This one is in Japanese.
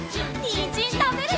にんじんたべるよ！